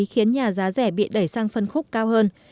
khiến nhà giá rẻ bị đẩy sang phân khúc cao hơn